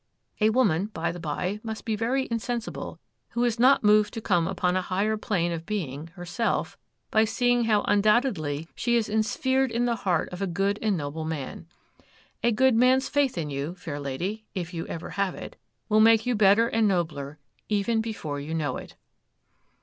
A woman, by the by, must be very insensible who is not moved to come upon a higher plane of being, herself, by seeing how undoubtingly she is insphered in the heart of a good and noble man. A good man's faith in you, fair lady, if you ever have it, will make you better and nobler even before you know it.